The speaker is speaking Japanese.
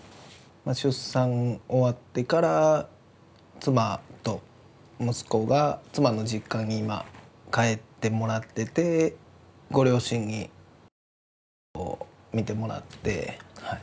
出産終わってから妻と息子が妻の実家にまあ帰ってもらっててご両親にちょっと面倒を見てもらって。